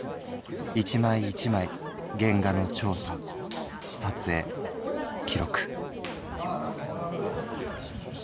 一枚一枚原画の調査撮影記録」。